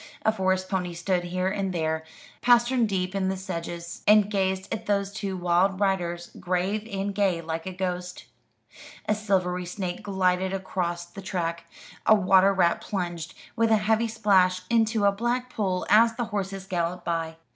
A forest pony stood here and there pastern deep in the sedges and gazed at those two wild riders, grave and gay, like a ghost. A silvery snake glided across the track; a water rat plunged, with a heavy splash, into a black pool as the horses galloped by.